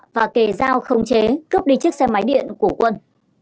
và kề dao không chế cướp đi chiếc xe máy điện của quân